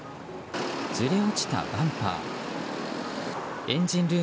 ずれ落ちたバンパー。